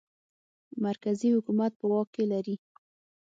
مرکزي حکومت په واک کې لري.